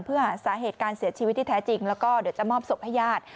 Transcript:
เพื่อหาสาเหตุการเสียชีวิตที่แท้จริงแล้วก็เดี๋ยวจะมอบศพให้ญาติ